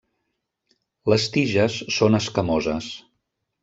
Les tiges són escamoses.